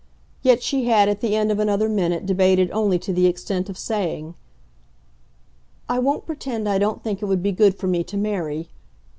Yet she had at the end of another minute debated only to the extent of saying: "I won't pretend I don't think it would be good for me to marry.